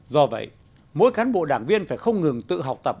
do vậy mỗi cán bộ đảng viên phải không ngừng tự học tập